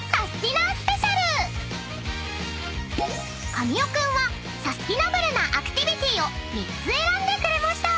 ［神尾君はサスティナブルなアクティビティを３つ選んでくれました］